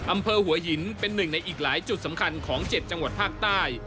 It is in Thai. อำเภอหัวหินเป็นหนึ่งในอีกหลายจุดสำคัญของ๗จังหวัดภาคใต้